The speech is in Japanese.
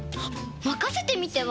まかせてみては？